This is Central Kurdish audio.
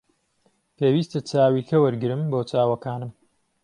پێویستە چاویلکە وەرگرم بۆ چاوەکانم